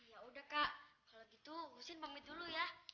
ya udah kak kalau gitu ngurusin pamit dulu ya